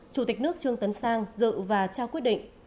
chủ tịch nước trương tấn sang dự và trao quyết định